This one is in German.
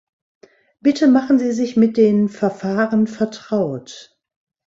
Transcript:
Bitte machen Sie sich mit den Verfahren vertraut.